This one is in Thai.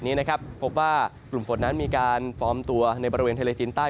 รู้สึกแต่ว่ากลุ่มฝนนะมีการฟอร์มตัวในบริเวณทะเลจินใต้